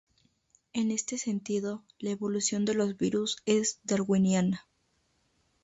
En este sentido la evolución de los virus es Darwiniana.